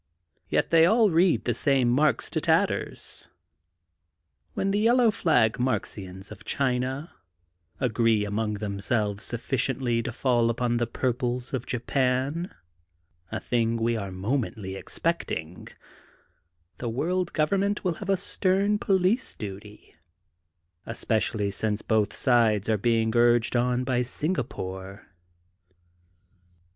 Yet they all read the same Marx to tatters. When the Yellow Flag Marxians of China agree among themselves sufficiently to fall upon the Purples of Japan, a thing we are momently expecting, the World Government will have a stem police duty, especially since both sides are being urged on by Singapore.'